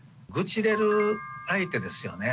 愚痴れる相手ですよね。